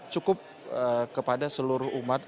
cukup kepada seluruh umat